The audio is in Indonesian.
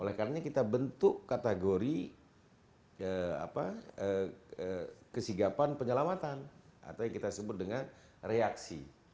oleh karena kita bentuk kategori kesigapan penyelamatan atau yang kita sebut dengan reaksi